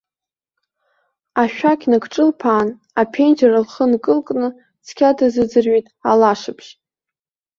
Ашәақь ныкҿылԥаан, аԥенџьыр лхы нкылакны цқьа дазыӡырҩит алашыбжь.